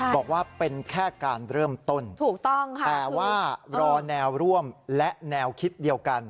บอกว่าเป็นแค่การเริ่มต้นถูกต้องค่ะแต่ว่ารอแนวร่วมและแนวคิดเดียวกัน